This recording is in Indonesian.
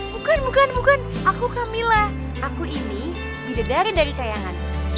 bukan bukan bukan aku camilla aku ini bidadari dari kayangan